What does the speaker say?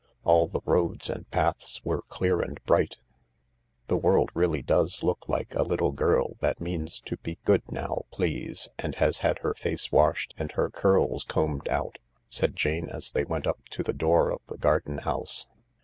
All the roads and paths were clear and bright. " The world really does look like a little girl that means to be good now, please, and has had her face washed and her curls combed out," said Jane as they went up to the door of the garden house.